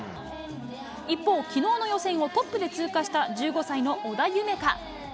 一方、きのうの予選をトップで通過した１５歳の織田夢海。